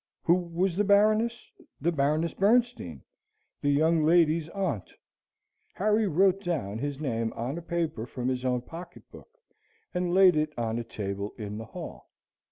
Who was the Baroness? The Baroness Bernstein, the young ladies' aunt. Harry wrote down his name on a paper from his own pocket book, and laid it on a table in the hall.